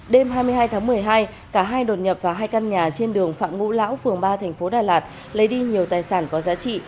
đêm hai mươi hai tháng một mươi hai cả hai đột nhập vào hai căn nhà trên đường phạm ngũ lão phường ba thành phố đà lạt lấy đi nhiều tài sản có giá trị